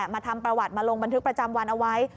มาทำประวัติมาลงบันทึกประจำวันเอาไว้